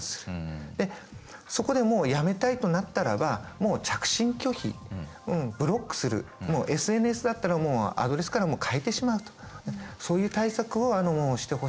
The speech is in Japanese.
でそこでもうやめたいとなったらばもう着信拒否ブロックするＳＮＳだったらもうアドレスから変えてしまうとそういう対策をしてほしいなと思います。